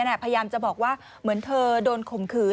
พยายามจะบอกว่าเหมือนเธอโดนข่มขืน